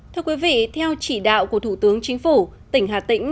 thưa quý vị theo chỉ đạo của thủ tướng chính phủ tỉnh hà tĩnh